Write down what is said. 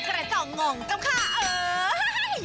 กระเจ้าง่องกระเจ้าง่องกับข้าเอ๋ย